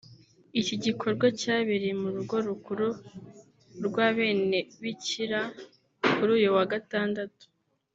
Iki gikorwa cyabereye mu rugo rukuru rw’Abenebikira kuri uyu wa Gatandatu